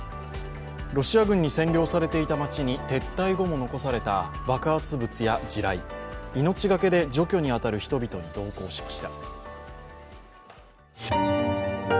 ロシア軍に占領されていた町に撤退後も残された爆発物や地雷、命懸けで除去に当たる人々に同行しました。